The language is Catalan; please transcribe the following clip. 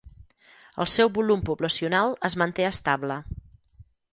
El seu volum poblacional es manté estable.